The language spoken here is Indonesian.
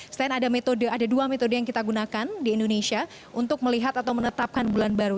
selain ada metode ada dua metode yang kita gunakan di indonesia untuk melihat atau menetapkan bulan baru